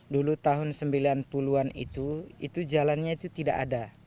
dulu tahun sembilan puluh an itu itu jalannya itu tidak ada